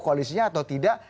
koalisinya atau tidak